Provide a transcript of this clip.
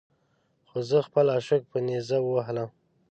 خو زه خپل عشق په نیزه ووهلم.